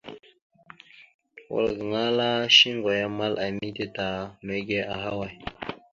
Wal gaŋa ala shuŋgo ya amal ene da ta, mege ahaway?